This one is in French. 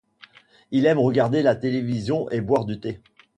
Il aime regarder la télévision et boire du thé.